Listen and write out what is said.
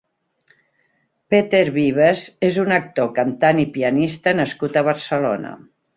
Peter Vives és un actor, cantant i pianista nascut a Barcelona.